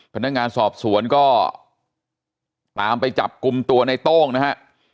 พนักงานสอบสวนก็ตามไปจับกลุ่มตัวในโต้งนะฮะ